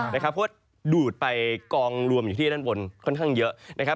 เพราะ์ดูดไปกองรวมอยู่ที่ด้านบนค่อนข้างเยอะ